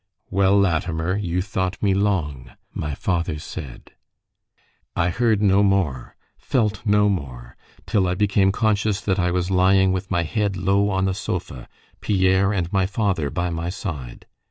"Well, Latimer, you thought me long," my father said ... I heard no more, felt no more, till I became conscious that I was lying with my head low on the sofa, Pierre, and my father by my side.